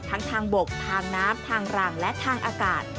ทั้งทางบกทางน้ำทางร่างและทางอากาศ